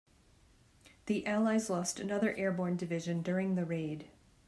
The allies lost another airborne division during the raid.